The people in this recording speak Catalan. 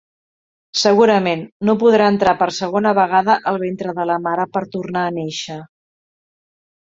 Segurament, no podran entrar per segona vegada al ventre de la mare per tornar a néixer!